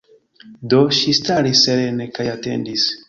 Do, ŝi staris serene, kaj atendis.